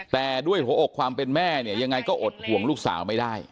แต่ด้วยหัวอกความเป็นแม่เนี่ยยังไงก็อดห่วงลูกสาวไม่ได้